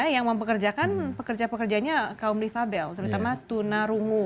yang mempekerjakan pekerja pekerjanya kaum rifabel terutama tuna rungu